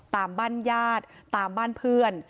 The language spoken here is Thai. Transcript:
ตามบ้านญาติตามบ้านเพื่อน